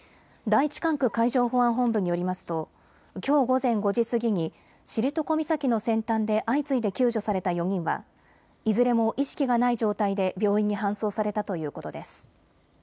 第１管区海上保安本部によりますときょう午前５時過ぎに知床岬の先端で相次いで救助された４人はいずれも意識がない状態で病院に搬送されたということです。